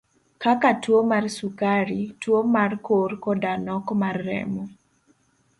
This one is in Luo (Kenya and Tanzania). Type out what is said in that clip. Kaka tuo mar sukari, tuo mar kor koda nok mar remo.